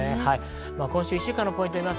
今週１週間のポイントです。